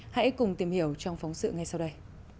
hãy cùng tìm hiểu trong phóng sự ngay sau đây